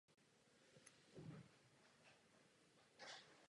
Z Jávy pochází několik celosvětově známých umělců v tomto oboru.